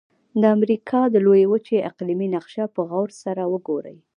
د امریکا د لویې وچې اقلیمي نقشه په غور سره وګورئ.